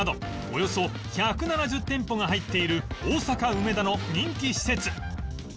およそ１７０店舗が入っている大阪梅田の人気施設